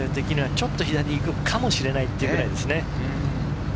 ちょっと左に行くかもしれないっていうくらいですね。